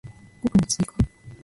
語句の追加